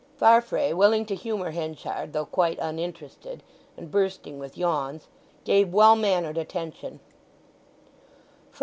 Farfrae, willing to humour Henchard, though quite uninterested, and bursting with yawns, gave well mannered attention.